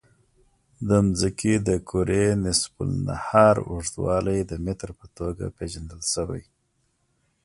د ځمکې د کرې نصف النهار اوږدوالی د متر په توګه پېژندل شوی.